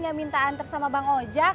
gak minta antar sama bang ojak